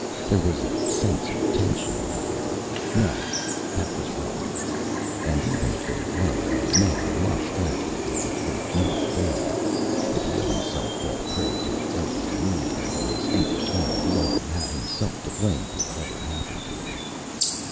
There was a sense of tension in the air no, that was rot. And even if there were, a man must act as if it were not there. If he let himself fall prey to every mood out in this empty land, he only had himself to blame for whatever happened to him.